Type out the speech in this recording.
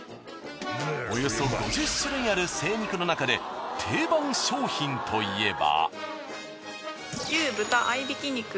およそ５０種類ある精肉の中で定番商品といえば。